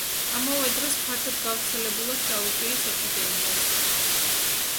ამავე დროს, ფართოდ გავრცელებულა შავი ჭირის ეპიდემიაც.